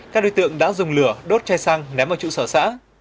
các đối tượng đã dùng lửa đốt cháy xăng ném vào trụ sở xã